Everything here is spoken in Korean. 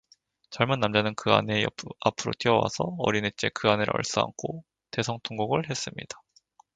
젊은 남자는 그 아내의 앞으로 뛰어와서 어린애째 그 아내를 얼싸안고 대성통곡을 했습니다.